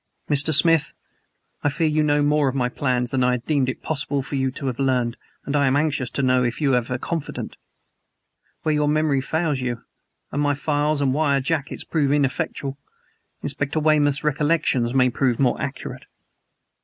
Mr. Smith, I fear you know more of my plans than I had deemed it possible for you to have learned, and I am anxious to know if you have a confidant. Where your memory fails you, and my files and wire jackets prove ineffectual, Inspector Weymouth's recollections may prove more accurate."